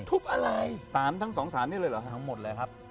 ทุบอะไรสารทั้งสองสารนี้เลยเหรอทั้งหมดเลยครับ